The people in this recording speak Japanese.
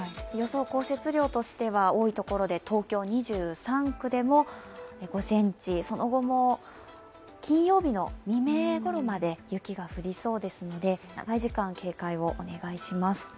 予想降雪量としては多いところで、東京２３区でも５ｃｍ、その後も金曜日の未明ぐらいまで雪が降りそうですので長い時間、警戒をお願いします。